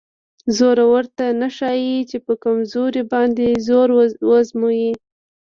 زورور ته نه ښایي چې په کمزوري باندې زور وازمایي.